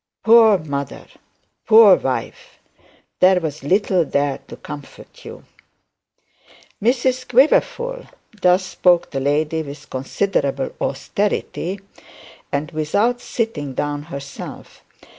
Poor mother! Poor wife! There was little there to comfort you! 'Mrs Quiverful,' thus spoke the lady with considerable austerity, and without sitting down herself.